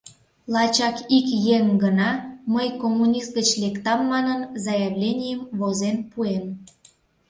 Лачак ик еҥ гына, мый коммунист гыч лектам манын, заявленийым возен пуэн...